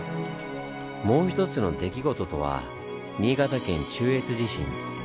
もう一つの出来事とは新潟県中越地震。